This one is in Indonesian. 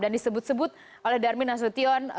dan disebut sebut oleh darmin nasution